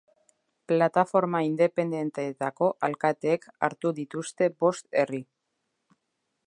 Plataforma independenteetako alkateek hartu dituzte bost herri.